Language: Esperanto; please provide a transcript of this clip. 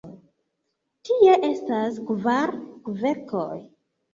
Tie estas kvar kverkoj.